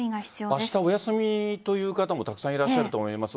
明日お休みという方もたくさんいらっしゃると思います。